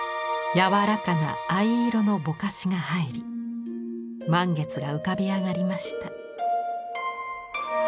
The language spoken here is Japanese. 柔らかな藍色のぼかしが入り満月が浮かび上がりました。